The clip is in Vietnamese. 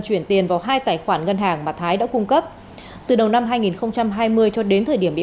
chuyển tiền vào hai tài khoản ngân hàng mà thái đã cung cấp từ đầu năm hai nghìn hai mươi cho đến thời điểm bị